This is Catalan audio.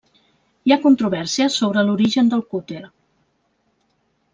Hi ha controvèrsia sobre l'origen del cúter.